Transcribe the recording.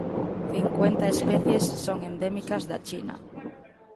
Cincuenta especies son endémicas da China.